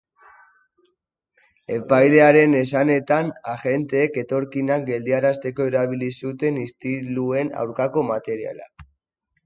Epailearen esanetan, agenteek etorkinak geldiarazteko erabili zuten istiluen aurkako materiala.